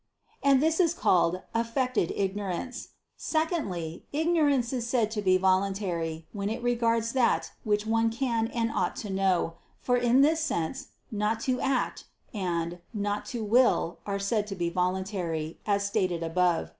And this is called "affected ignorance." Secondly, ignorance is said to be voluntary, when it regards that which one can and ought to know: for in this sense "not to act" and "not to will" are said to be voluntary, as stated above (A.